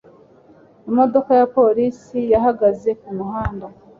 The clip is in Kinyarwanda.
Imodoka ya polisi yahagaze kumuhanda.